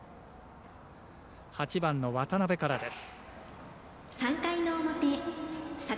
８番の渡邊からです。